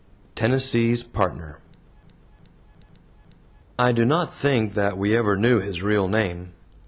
TENNESSEE'S PARTNER I do not think that we ever knew his real name.